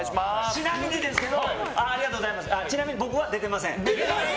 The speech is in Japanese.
ちなみにですけど僕は出てません。